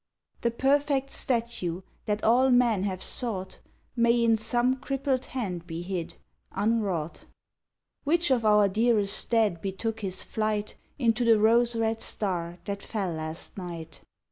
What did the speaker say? The perfect statue that all men have sought May in some crippled hand be hid, unwrought. Which of our dearest dead betook his flight Into the rose red star that fell last night?